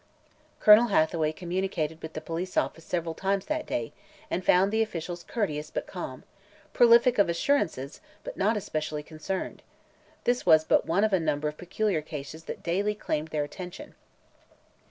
Colonel Hathaway communicated with the police office several times that day and found the officials courteous but calm prolific of assurances, but not especially concerned. This was but one of a number of peculiar cases that daily claimed their attention.